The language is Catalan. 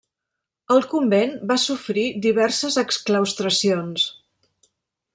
El convent va sofrir diverses exclaustracions.